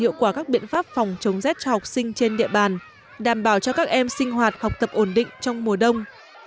hiệu quả các biện pháp phòng chống rét cho học sinh trên địa bàn đảm bảo cho các em sinh hoạt học tập ổn định trong mùa đông